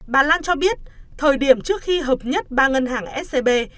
bà lan cho biết thời điểm trước khi hợp nhất ba ngân hàng scb